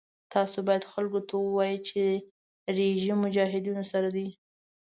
تاسو باید خلکو ته ووایئ چې رژیم مجاهدینو سره دی.